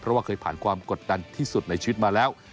เพราะว่าเคยผ่านความกดดันที่สุดในชีวิตมาแล้ว